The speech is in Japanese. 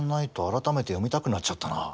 改めて読みたくなっちゃったな。